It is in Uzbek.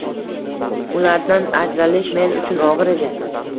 Ulardan ajralish men uchun og`ir edi